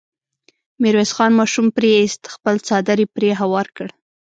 ميرويس خان ماشوم پرې ايست، خپل څادر يې پرې هوار کړ.